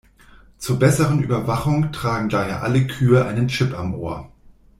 Zur besseren Überwachung tragen daher alle Kühe einen Chip am Ohr.